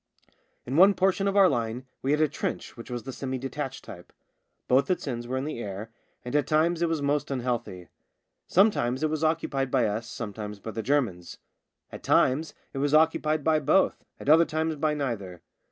In one portion of our line we had a trench which was of the semi detached type. Both its ends were in the air, and at times it was most unhealthy. Sometimes it was occupied by us, sometimes by the Germans ; at times it was occupied by both, at other times by neither.